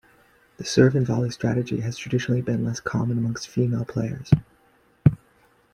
The serve-and-volley strategy has traditionally been less common amongst female players.